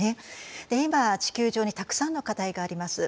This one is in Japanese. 今地球上にたくさんの課題があります。